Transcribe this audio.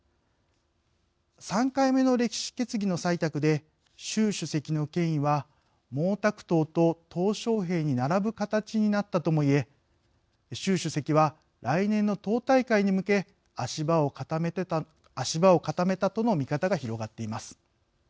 ３回目の歴史決議の採択で習主席の権威は毛沢東と、とう小平に並ぶ形になったともいえ習主席は、来年の党大会に向け足場を固めたとの見方が広がっています。